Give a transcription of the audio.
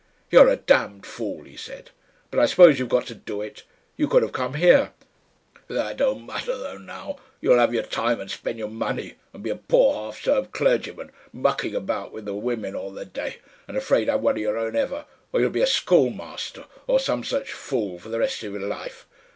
"You're a damned fool," he said. "But I suppose you've got to do it. You could have come here That don't matter, though, now... You'll have your time and spend your money, and be a poor half starved clergyman, mucking about with the women all the day and afraid to have one of your own ever, or you'll be a schoolmaster or some such fool for the rest of your life.